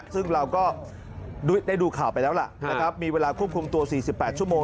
ซึ่งเราก็ได้ดูข่าวไปแล้วล่ะนะครับมีเวลาควบคุมตัว๔๘ชั่วโมง